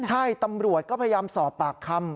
ใช่ตำรวจก็พยายามสอบปากคำ